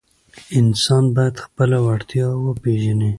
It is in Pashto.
انسان باید خپله وړتیا وپیژني.